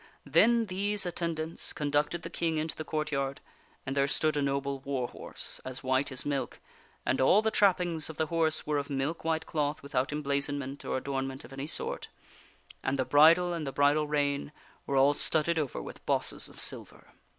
Then these attendants con ducted the King into the courtyard, and there stood a noble war horse, as white as milk, and all the trappings of the horse were of milk white cloth without emblazonment or adornment of any sort ; and the bridle *\nd the bridle rein were all studded over with bosses of silver.